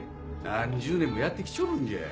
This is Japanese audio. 何十年もやって来ちょるんじゃ。